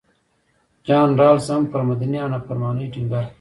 جان رالز هم پر مدني نافرمانۍ ټینګار کوي.